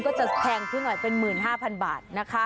ก็จะแพงขึ้นหน่อยเป็น๑๕๐๐๐บาทนะคะ